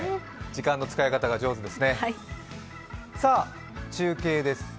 時間の使い方が上手ですね。